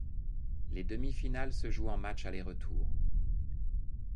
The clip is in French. Les demi-finales se jouent en matchs aller-retour.